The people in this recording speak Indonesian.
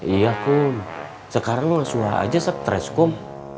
iya kum sekarang loe suha aja stress kum